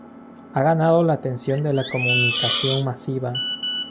Ha ganado la atención de la comunicación masiva.